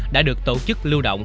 đã được tổ chức lưu động